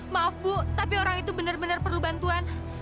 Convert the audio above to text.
maaf bu tapi orang itu benar benar perlu bantuan